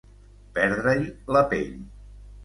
Perdre-hi la pell.